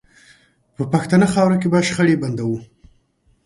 په پښتنه خاوره کې به شخړې بندوو